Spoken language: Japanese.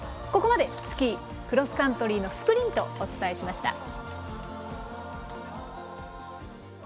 ここまでスキー・クロスカントリースプリントをお伝えしました。